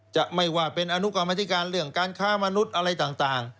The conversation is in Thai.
จะไม่ว่าเป็นอนุกรรมธิการเรื่องการค้ามนุษย์อะไรต่าง